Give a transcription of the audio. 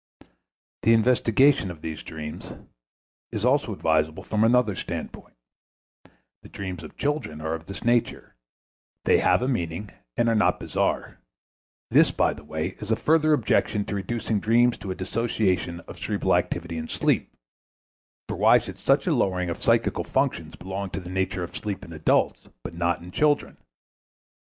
The investigation of these dreams is also advisable from another standpoint. The dreams of children are of this nature; they have a meaning, and are not bizarre. This, by the way, is a further objection to reducing dreams to a dissociation of cerebral activity in sleep, for why should such a lowering of psychical functions belong to the nature of sleep in adults, but not in children?